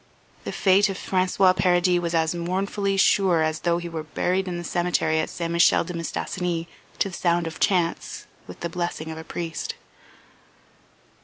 The fate of François Paradis was as mournfully sure as though he were buried in the cemetery at St. Michel de Mistassini to the sound of chants, with the blessing of a priest.